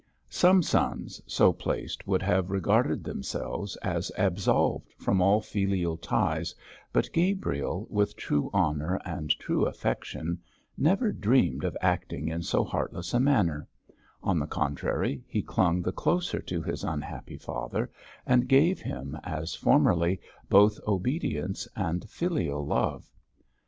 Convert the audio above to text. Some sons so placed would have regarded themselves as absolved from all filial ties, but Gabriel, with true honour and true affection, never dreamed of acting in so heartless a manner; on the contrary, he clung the closer to his unhappy father, and gave him, as formerly, both obedience and filial love.